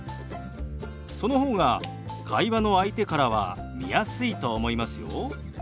その方が会話の相手からは見やすいと思いますよ。